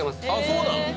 そうなん⁉